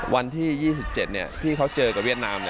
วันที่๒๗ที่เขาเจอกับเวียดนาม